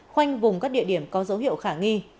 khoanh vùng các địa điểm có dấu hiệu khả nghi